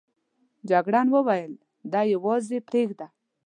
جګړن وویل دی یوازې پرېږده.